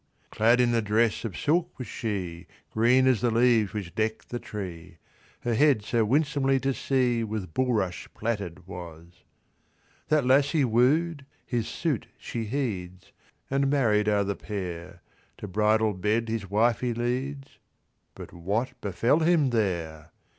Clad in a dress of silk was she, Green as the leaves which deck the tree, Her head so winsomely to see With bulrush plaited was. That lass he wooed, his suit she heeds, And married are the pair; To bridal bed his wife he leads— But what befell him there?